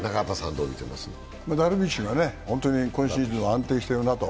ダルビッシュが今シーズン安定してるなと。